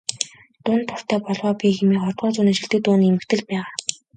"Дуунд дуртай болов оо би" хэмээх ХХ зууны шилдэг дууны эмхэтгэлд байгаа.